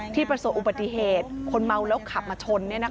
ประสบอุบัติเหตุคนเมาแล้วขับมาชน